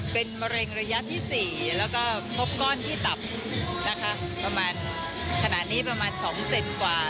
เป็นมะเร็งระยะที่๔แล้วก็พบก้อนที่ตับนะคะประมาณขณะนี้ประมาณ๒เซนกว่า